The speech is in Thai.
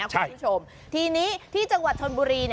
คุณผู้ชมทีนี้ที่จังหวัดชนบุรี